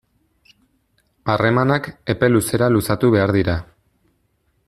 Harremanak epe luzera luzatu behar dira.